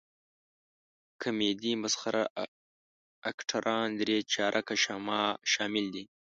کمیډي مسخره اکټران درې چارکه شامل دي.